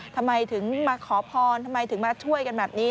ทำไมถึงมาขอพรทำไมถึงมาช่วยกันแบบนี้